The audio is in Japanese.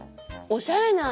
おしゃれ？